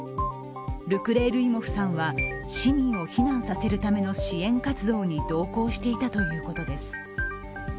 ルクレールイモフさんは市民を避難させるための支援活動に同行していたということです。